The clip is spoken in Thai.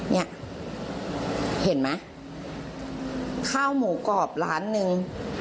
เนี่ยเห็นไหมข้าวหมูกรอบล้านหนึ่ง